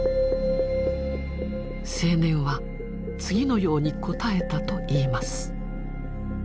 青年は次のように答えたといいます。